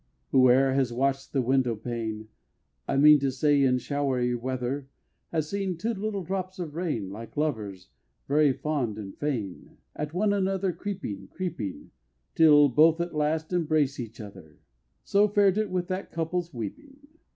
Whoe'er has watched the window pane I mean to say in showery weather Has seen two little drops of rain, Like lovers very fond and fain, At one another creeping, creeping, Till both, at last, embrace together: So fared it with that couple's weeping!